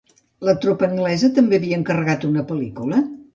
La tropa anglesa també havia encarregat una pel·lícula?